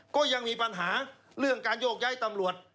ก็ยังมีปัญหาเรื่องการโยกย้ายตำรวจ